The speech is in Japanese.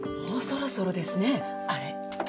もうそろそろですねあれ。